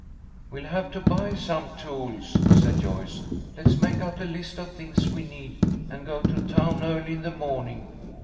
"We'll have to buy some tools," said Joyce. "Let's make out a list of things we need, and go to town early in the morning.